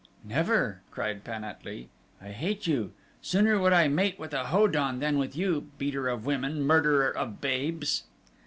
"Never!" cried Pan at lee. "I hate you. Sooner would I mate with a Ho don than with you, beater of women, murderer of babes."